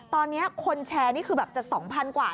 ตอนนี้คนแชร์นี่คือแบบจะ๒๐๐กว่า